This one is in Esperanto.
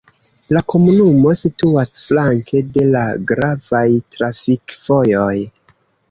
La komunumo situas flanke de la gravaj trafikvojoj.